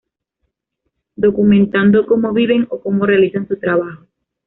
Documentando como viven o como realizan su trabajo.